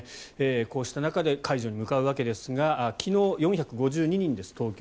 こうした中で解除に向かうわけですが昨日、４５２人です、東京。